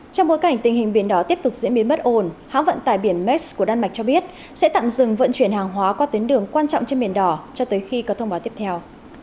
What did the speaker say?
trong bối cảnh tình hình biển đỏ tiếp tục diễn biến bất ổn hãng vận tải biển mes của đan mạch cho biết sẽ tạm dừng vận chuyển hàng hóa qua tuyến đường quan trọng trên biển đỏ cho tới khi có thông báo tiếp theo